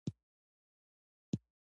د طبیعي پیښو وزارت کله مرسته کوي؟